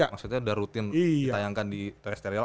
maksudnya udah rutin ditayangkan di terrestrial